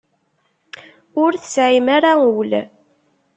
Ur tesɛim ara ul.